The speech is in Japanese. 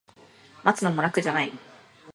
待つのも楽じゃない